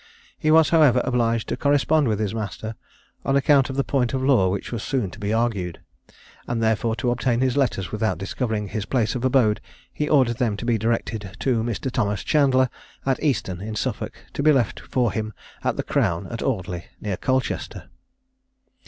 He was, however, obliged to correspond with his master, on account of the point of law which was soon to be argued; and, therefore, to obtain his letters without discovering his place of abode, he ordered them to be directed "To Mr. Thomas Chandler, at Easton, in Suffolk, to be left for him at the Crown at Audley, near Colchester."